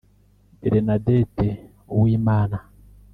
Bernadette Uwimana